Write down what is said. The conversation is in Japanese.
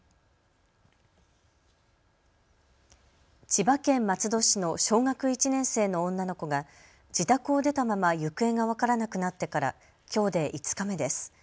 千葉県松戸市の小学１年生の女の子が自宅を出たまま行方が分からなくなってからきょうで５日目です。